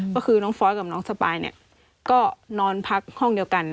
ก็คือน้องฟอสกับน้องสปายเนี่ยก็นอนพักห้องเดียวกัน